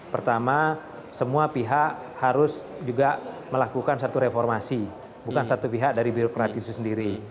pertama semua pihak harus juga melakukan satu reformasi bukan satu pihak dari birokrat itu sendiri